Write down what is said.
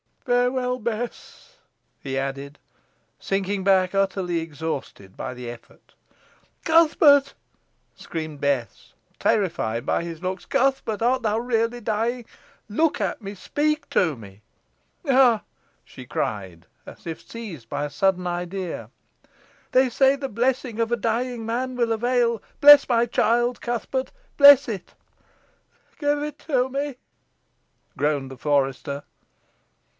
Farewell, Bess," he added, sinking back utterly exhausted by the effort. "Cuthbert!" screamed Bess, terrified by his looks, "Cuthbert! art thou really dying? Look at me, speak to me! Ha!" she cried, as if seized by a sudden idea, "they say the blessing of a dying man will avail. Bless my child, Cuthbert, bless it!" "Give it me!" groaned the forester.